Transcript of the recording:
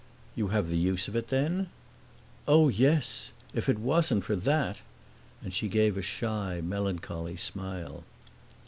"You have the use of it then?" "Oh, yes. If it wasn't for that!" And she gave a shy, melancholy smile.